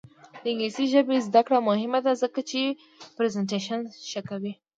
د انګلیسي ژبې زده کړه مهمه ده ځکه چې پریزنټیشن ښه کوي.